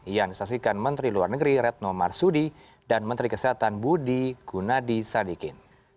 yang disaksikan menteri luar negeri retno marsudi dan menteri kesehatan budi gunadi sadikin